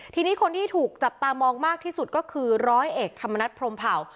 ทีนี้คนที่ถูกจับตามองมากที่สุดก็คือร้อยเอกธรรมนัฐพรมเผ่า